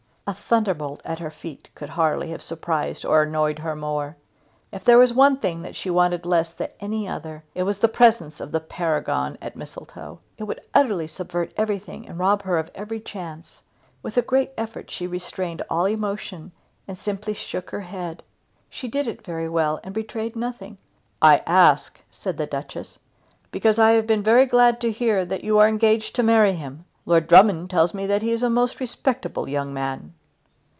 A thunderbolt at her feet could hardly have surprised or annoyed her more. If there was one thing that she wanted less than another it was the presence of the Paragon at Mistletoe. It would utterly subvert everything and rob her of every chance. With a great effort she restrained all emotion and simply shook her head. She did it very well, and betrayed nothing. "I ask," said the Duchess, "because I have been very glad to hear that you are engaged to marry him. Lord Drummond tells me that he is a most respectable young man."